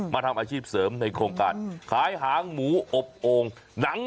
ทำอาชีพเสริมในโครงการขายหางหมูอบโอ่งหนัง